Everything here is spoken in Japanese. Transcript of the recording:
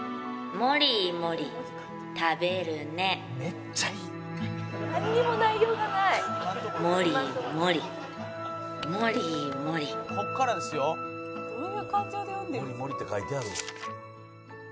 「もりもりって書いてある」